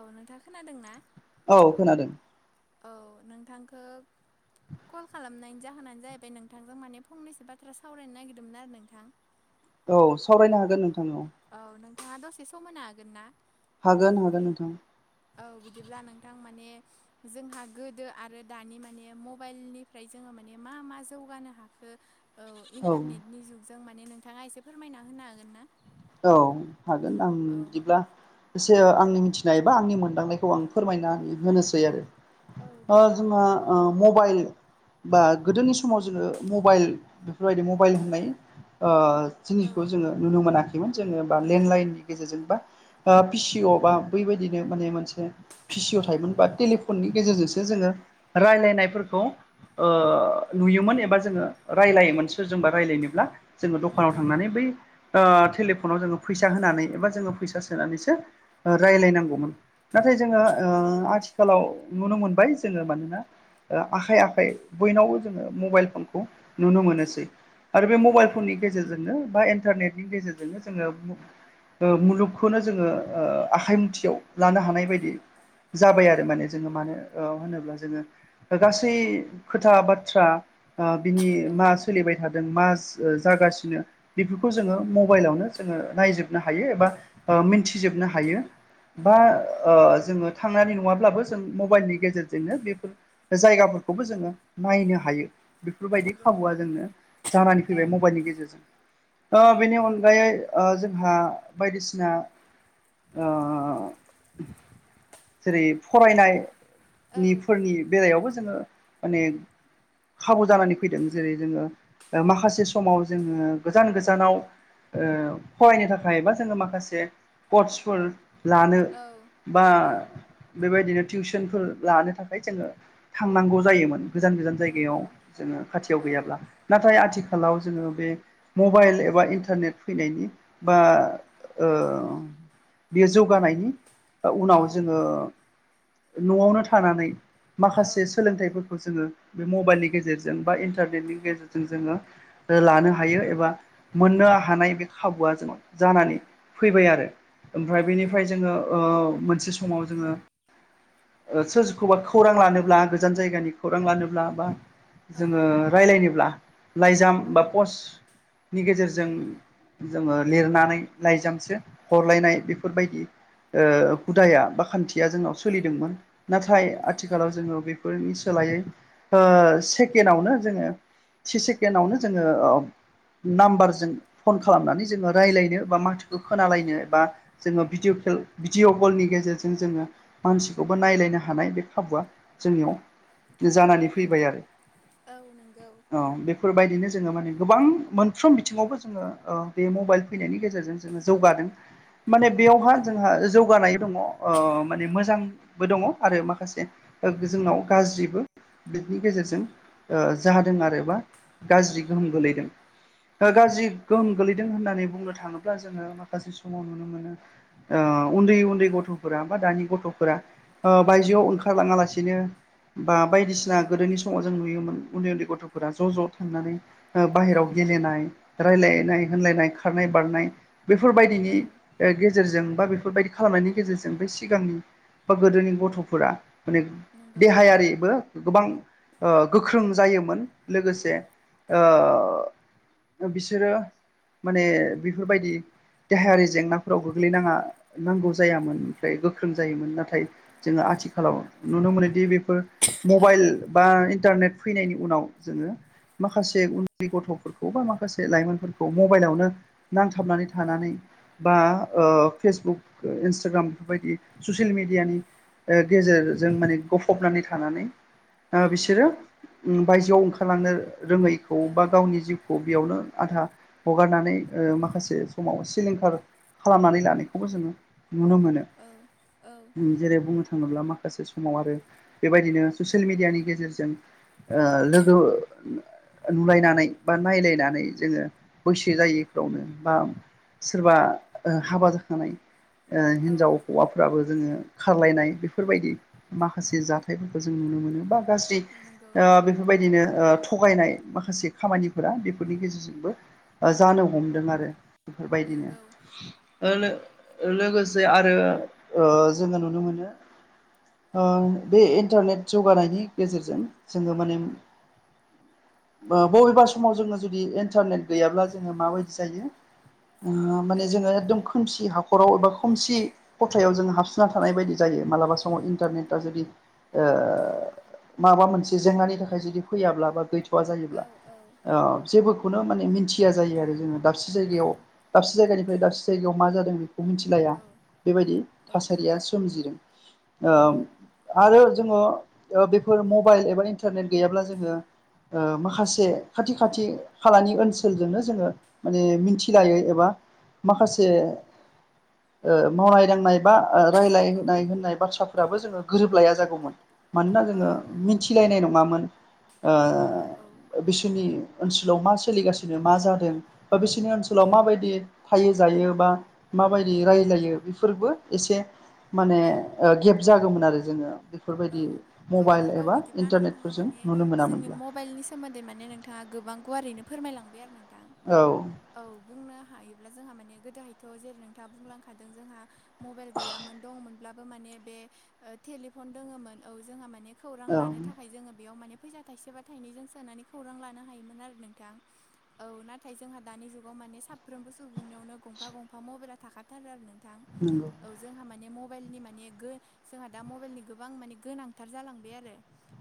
औ नोंथाङा खोनादों ना? औ खोना औ नोंथांखौ। कल खालामनायनि जाहोनानो जाहैबाय नोंथांजों माने फंनैसो बाथ्रा सावरायनो नागिरदोंमोन आरो नोंथां? औ सावरायनो हागोन नोंथां। औ नोंथांङा दसे सम मोननो हागोन ना? ओ हागोन हागोन नोंथां। औ बिदिब्ला नोंथां माने। जोंहा गोदो आरो दानि माने मबाइलनिफ्राय जोङो माने मा मा जौगानो हाखोनो औ इन्टारनेटनि जुगजों माने नोंथाङा एसे फोरमायना होनो हागोन ना? औ हागोन आं औ बिदिब्लानो एसे आंनि मिथिनाय एबा आंनि मोनदांनायखौ आं फोरमायनानै होनोसै आरोना। औ ओ दे जोंहा बिदिब्ला मबाइनि बा गोदोनि समाव जोङो मबाइल बेफोरबायदि मबाइल होननाय ओ औ जिनिसखौ जोङो नुनो मोनाखैमोन जोङो बा नंगौ लेन्डलाइननिनो गेजेरजों बा पि सि अ बा बै बायदिनो माने मोनसे पि सि अ औ थायोमोन टेलिफनि नि गेजेरजोंसो जोङो रायलायनायफोरखौनो नुयोमोन एबा जोङो रायजलायोमोन सोरजोंबा रायज्लायनोब्ला। जोङो दखानाव नंगौ थांनानै बै ओ टेलिफनाव जोङो फैसा होनानै एबा जोङो फैसा सोनानैसो रायज्लायनांगौमोन नाथाय जोङोनो। नोंगौ। आथिखालाव नुनो मोनबाय जोङो मानोना आखाइ आखाइ बयनावबो जोङो मबाइल फनखौ नुनो मोनोसै। आरो बे नंगौ मबाइल फननि गेजेरजोंनो बा इन्टारनेटनि गेजेरजोंनो जोङो। मुलुगखौनो जोङो आखाइ मुथियाव लानो हानाय बादि जाबाय आरो नंगौ माने जोङो मानो होनोब्ला जोङो गासै खोथा बाथ्रा। बिनि औ मा सोलिबाय थादों मा जागासिनो बेफोरखौ औ जोङो। मबाइलावनो जोङो नायजोबनो हायो एबा ओ मिन्थिजोबनो हायो बा नंगौ जोङो थांनानै नङाब्लाबो जों मबाइलनि गेजेरजोंनो बेफोर जायगाफोरखौबो जोङो नायनो हायो। बेफोरबायदि नंगौ खाबुआ जोंनो जानानै औ फैबाय मबाइलनि गेजेरजों औ ओ बेनि अन गायै जोंहा बायदिसिना ओ जेरै फरायनाय औ निफोरनि बेलायावबो जोङो माने खाबु जानानै फैदों जेरै जोङो माखासे समाव जोङो गोजान गोजानाव ओ फरायनो थाखाय बा जोङो माखासे कर्सफोर लानो औ बा नंगौ बेबायदिनो टिउसनफोर लानो थाखाय जोङो थांनांगौ जायोमोन। गोजान गोजान जायगायाव नंगौ जोङो खाथियाव औ गैयाब्ला। नाथाय आथिखालाव जोङो बे मबाइल एबा इन्टारनेट फैनायनि बा ओ बियो जौगानायनि उनाव औ जोङो न'आवनो थानानै औ माखासे सोलोंथाइफोरखौ जोङो बे मबाइलनि गेजेरजों बा इन्टारनेटनि गेजेरजों जोङो लानो हायो एबा मोननो हानाय खाबुआ जों जानानै फै आरो ओमफ्राय नंगौ बेनिफ्राय जोङो ओ मोनसे समाव जोङो सोरखौबा खौरां लानोब्ला गोजान जायगानि खौरां लानोब्ला बा औ जोङो रायलायनोब्ला लाइजाम औ बा पस्टनि गेजेरजों जोङो लिरनानै लाइजामसो हरलायनाय बेफोरबायदि ओ हुदाया बा खान्थिया जोंनाव औ सोलिदोंमोन नाथाय नंगौ आथिखालाव जोङो बे फोरनि सोलायै ओ सेकेणडआवनो जोङो से सेकेणडआवनो जोङो नाम्बारजों फन खालामनानै जोङो रायज्लायनो बा माथोखौ खोनालायनो बा जोङो भिडिअ' खेल भिडिअ' कलनि गेजेरजों जोङो मानसिखौबो नायलायनो हानाय बे खाबुआ जोंनियाव जानानै फैबाय आरो। औ नंगौ औ बेफोरबायदिनो जोङो माने गोबां मोनफ्रोम बिथिङावबो जोङो ओ बे मबाइल फैनायनि गेजेरजों जोङो जौगादों माने बेयावहा जोंहा जौगानाय दङ। अ माने औ मोजांबो दङ आरो माखासे जोंनाव गाज्रिबो बिनि गेजेरजों जादों आरोबा गाज्रि गोहोम गोलैदों। नंगौ गाज्रि गोहोम गोलैदों होननानै बुंनो थाङोब्ला जोङो माखासे समाव नुनो मोनो ओ उन्दै उन्दै गथ'फोरा बा दानि गथ'फोरा ओ औ बायजोआव ओंखारलाङा लासिनो बा औ बायदिसिना गोदोनि समाव जों नुयोमोन उन्दै उन्दै गथ'फोरा ज' ज' थांनानै औ बाहेरायावाव गेलेनाय रायलायनाय होनलायनाय खारनाय बारनाय औ बेफोरबायदिनि गे जेरजों बा बेफोरबायदि खालामनायनि गेजेरजों बे सिगांनि बा गोदोनि गथ'फोरा माने नंगौ देहायारिबो गोबां गोख्रों जायोमोन लोगोसे ओ बिसोरो माने बेफोरबायदि देहायारि जेंनाफोराव गोग्लैनाङा नांगौ जायामोन ओमफ्राय गोख्रों जायोमोन नाथाय जोङो आथिखालाव नुनो मोनोदि बेफोर औ मबाइल बा इन्टारनेट फैनायनि उनाव जोङो माखासे उन्दै गथ'फोरखौ बा मा खासे लाइमोनफोरखौ मबाइलावनो नांथाबनानै औ थानानै बा ओ फेसबुक इन्सटाग्राम बेफोरबायदि ससियेल मेडियानि गेजेरजों औ माने गफबनानै थानानै बिसोरो बायजोआव ओंखारलांनो रोङैखौ बा गावनि जिउ बेयावनो आधा हगारनानै माखासे समाव सिलिंखार खालामनानै लानो खौबो जोङो नुनो मोनो औ औ जेरै बुंनो थाङोब्ला माखासे समाव आरो बेबायदिनो ससियेल मेडियानि गेजेरजों ओ लोगो नुलायनानै बा नायलाय नानै जोङो बैसो जायैफ्रावनो बा सोरबा हाबा जाखानाय औ हिनजाव हौवा फ्राबो जोङो खारलायनाय बेफोरबायदि माखासे जाथायफोरखौ जों नुनो मोनो बा गाज्रि नंगौ बेफोरबायदिनो थगायनाय माखासे खामानिफोरा बेफोरनि गेजेरजोंबो जानो हमदों आरो बेफोरबायदिनो नंगौ ओ लो लोगोसे आरो ओ जोङो नुनो मोनो ओं बे इन्टारनेट जौगानायनि गेजेरजों जोङो माने बबेबा समाव जोङो जुदि इन्टारनेट गैयाब्ला जोङो माबायदि जायो औ माने जोङो एकदम खोमसि हाखराव एबा खोमसि खथायाव जों हाबसोना थानाय बायदि जायो मालाबा समाव इन्टारनेटा जुदि ओ माबा मोनसे जेंनानि थाखाय जुदि फैयाब्ला बा गैथ' आ औ जायोब्ला औ जेबोखौनो माने मोनथिया जायो आरो जोङो दाबसे औ जायगायाव दाबसे जायगानिफ्राय दाबसे जायगायाव मा जादों खौ मोनथिलाया बेबायदि औ थासारिया सोमजिदों औ आरो जोङो बेफोर मबाइल एबा इन्टारनेट गैयाब्ला जोङो ओ माखासे खाथि खा खाथि खालानि ओनसोलजोंनो जोङो माने मिन्थिलायो एबा माखासे मावनाय दांनाय बा रायलाय औ होन्नाय बाथ्राफोराबो गोरोब लाया जागौमोन मानोना जोङो मिन मिथिलायनाय नङामोन ओ औ औ बिसोरनि ओनसोलाव मा सोलिगासिनो मा जादों बा बिसोरनि ओनसोलाव माबायदि थायो जायो बा माबायदि रायलायो बेफोरबो एसे माने गेब जागौमोन आरो जोङो बे औ औ नंगौ बिदिब्ला नोंथाङा इन्टारनेटफोरजों माने नुनो जोंनि मोनामोनब्ला मबाइलनि सो सोमोन्दै माने नोंथाङा गोबांखौ ओरैनो फोरमायलांबाय आरो नोंथां औ औ बुंनो हायोब्ला जोंहा माने गोदोहायथ' जेरै नोंथाङा बुंलांखादों जोंहा मबाइल गैयामोन दंमोनब्लाबो माने बे टेलिफन दोङोमोन औ जोंहा माने खौरां औ लानो थाखाय जोङो बेयाव माने फैसा थाइसेबा थाइनै जों सोनानै खौरां लानो हायोमोन आरो नोंथां औ नाथाय जोंहा दानि जुगाव माने साफ्रोमबो सुबुंनियावनो गंफा गंफा मबाइला थाखाथारो आरो नों थां नंगौ औ जोंहा माने मबाइलनि माने गो जोंहा दा मबेलनि गोबां माने गोनांथार जालांबाय आरो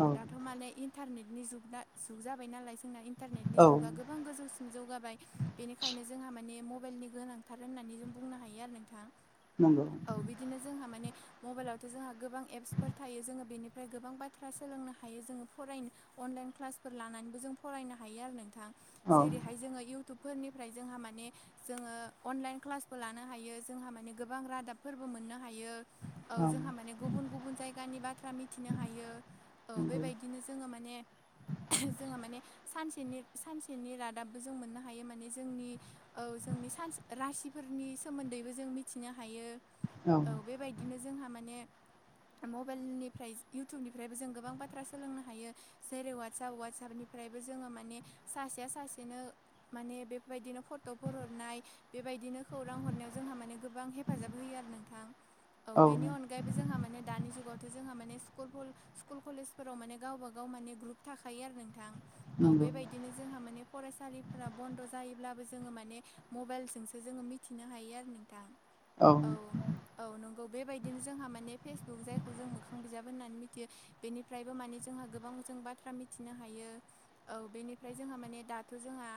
औ दाथ' माने इन न्टारनेटनि जुगा जुग जाबाय नालाय जोंना इन्टारनेटनि जुगा नंगौ गोबां गोजौसिन जौगाबाय बेनिखायनो जोंहा माने मबाइलनि गोनांथार होननानै जों बुंनो हायो आरो नोंथां नंगौ औ बिदिनो जोंहा माने मबाइलावथ' जोंहा गोबां एप्स फोर थायो जोङो बेनिफ्राय गोबां बाथ्रा सोलोंनो हायो जोङो फरायनो अनलाइन क्लासफोर लानानैबो जों फरायनो हायो आरो नोंथां औ जेरैहाय जोङो इउ टुबफोरनिफ्राय जोंहा माने जोङो अनलाइन क्लासबो लानो हायो जोंहा माने गोबां रादाबफोरबो मोननो हायो औ जोंहा माने गुबुन गुबुन जाय गानि बाथ्रा मिथिनो हायो औ नंगौ बेबायदिनो जोङो माने जोंहा माने सानसेनि सानसेनि रादाबबो जों मोननो हायो माने जोंनि औ जोंनि सान रासिफोरनि सोमोन्दैबो जों मिथिनो हायो औ बेबाय दिनो जोंहा माने मबाइलनिफ्राय इउटुबनिफ्रायबो जों गोबां बाथ्रा सोलोंनो हायो जेरै वाट्साप वाट्सापनिफ्रायबो जोङो माने सासेया सासेनो माने बेफोरबायदिनो फट'फोर हरनाय बेबायदिनो खौरां हरनायाव जोंहा माने गोबां हेब हेफाजाब होयो आरो नोंथां औ बेनि अनगायैबो जोंहा माने दानि जुगावथ' जोंहा माने स्कुल स्कुल कलेजफोराव माने गावबा गाव माने ग्रुप थाखायो आरो नोंथां औ नंगौ बेबाय दिनो जोंहा माने फरायसालिफोरा बन्द' जायोब्लाबो जोङो माने मबाइलजोंसो जोङो मिथिनो हायो आरो नो थां औ औ-औ नंगौ बेबायदिनो जोंहा माने फेसबुक जायखौ जों मोखां बिजाब होननानै मिथियो बेनिफ्रायबो माने जोंहा गोबां जों बाथ्रा मिथिनो हायो औ बेनिफ्राय जोंहा माने दाथ' जोंहा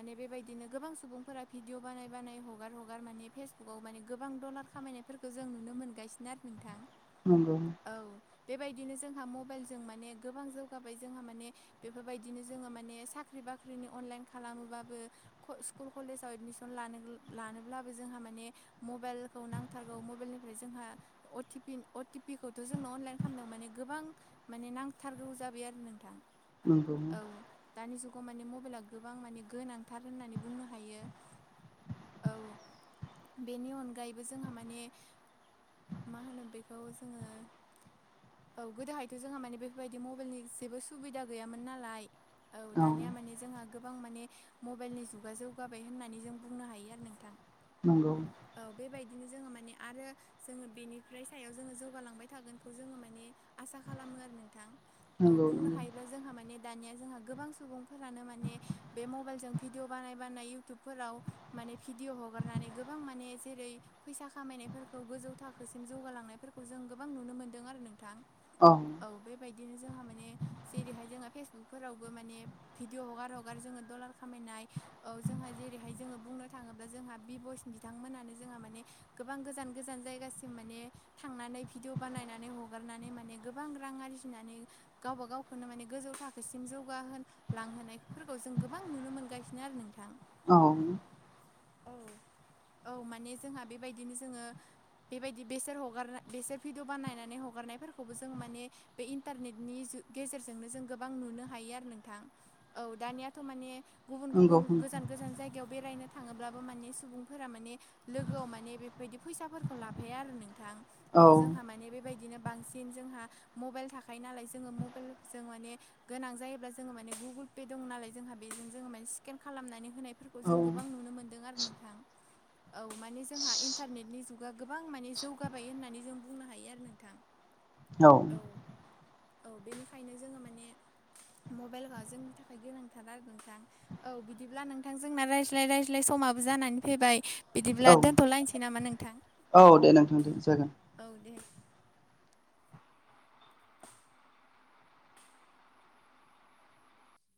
माने बेबायदिनो गोबां सुबुंफोरा भिडिअ बानाय बानाय हगार हगार माने फेसबुकाव माने गोबां डलार खामायनाय फोरखौ जों नुनो मोनगासिनो आरो नोंथां नंगौ औ बेबायदिनो जोंहा मबाइलजों माने गोबां जौगाबाय जोंहा माने बेफोरबायदिनो जोङो माने साख्रि बाख्रिनि अनलाइन खालामोबाबो स्कुल कलेजाव एदमिसन लानो लानोब्लाबो जोंहा माने मबाइलखौ नांथारगौ मबाइलनिफ्राय जोंहा अटि पि अटिपिखौथ' जोंनाव अनलाइन खालामदों माने गोबां माने नांथारगौ जाबाय आरो नोंथां नंगौ औ दानि जुगाव माने मबाइला गोबां माने गोनांथार होननानै बुंनो हायो औ बेनि अनगायैबो जोंहा माने मा होनो बे बेखौ जोङो औ गोदोहायथ' जोंहा माने बेफोरबायदि मबाइलनि जेबो सुबिदा गैयामोन नालाय औ दानिया माने जोंहा गोबां माने मबाइलनि जुगा जौगाबाय होननानै जों बुंनो हायो आरो नोंथां नंगौ औ बेबायदिनो जोङो माने आरो जोङो बेनिफ्राय सायाव जोङो जौगालांबाय थागोनखौ जोङो माने आसा खालामो आरो नोंथां औ नंगौ बुंनो हायोब्ला जोंहा माने दानिया जोंहा गोबां सुबुंफोरानो माने बे मबाइलजों भिडिअ बानाय बानाय इउटुबफोराव माने भिडिअ हगारनानै गोबां माने जेरै फैसा खामायनायफोरखौ गोजौ थाखोसिम जौगालांनायफोरखौ जों गोबां नुनो मोनदों आरो नोंथां औ बेबायदिनो जोंहा माने जेरैहाय जोंहा फेसबुकफोरावबो माने भिदिअ हगार हगार जोङो दल खामायनाय औ जोंहा जेरैहाय जोङो बुंनो थाङोब्ला जोंहा बि बयस बि बिथांमोनानो जोंहा माने गोबां गोजान गोजान जायगासिम मा ने थांनानै भिडिअ बानायनानै हगारनानै माने गोबां रां आरजिनानै गावबा गावखौनो माने गोजौ थाखोसिम जौगाहो लांहोनायफोरखौ जों गोबां नुनो मोनगासिनो आरो नोंथां औ औ-औ माने जोंहा बेबायदिनो जोङो बेबायदि बेसोर हगारनाय बेसर भिडिअ बानायनानै हगारनायफोरखौबो जोङो माने बे इन्टारनेटनि गेजेरजोंनो जों गोबां नुनो हायो आरो नोंथां औ दानियाथ' माने गुबुन गुबुन नंगौ गोजान गोजान जायगायाव बेरायनो थाङोब्लाबो माने सुबुंफोरा माने लोगोआव माने बेफोरबायदि फैसाफोरखौ ला फाया आरो नोंथां औ जोंहा माने बेबायदिनो बांसिन दिन जोंहा मबाइल थाखायो नालाय जोङो मबाइल जों माने गोनां जायोब्ला जोङो माने गुगोल पे दं नालाय जोंहा बेजों जोङो माने स्केन खालामनानै होनायफोरखौ खौ औ जों गोबां नुनो मोनदों आरो नोंथां औ माने जोंहा इन्टारनेटनि जुगा गोबां माने जौगाबाय होननानै जों बुंनो हायो आरो नोंथां औ औ बेनिखायनो जोङो माने मबाइला जोंनि थाखाय गोनांथार आरो नोंथां। औ बिदिब्ला नोंथां जोंना रायज्लाय रायज्लाय समाबो जानानै फैबाय। औ बिदिब्ला दोनथ'लायनोसै नामा नोंथां। औ दे नोंथां दे जागोन। औ दे।